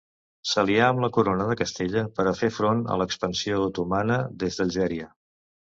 S'alià amb la corona de Castella per a fer front a l'expansió otomana des d'Algèria.